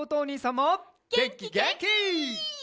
げんきげんき！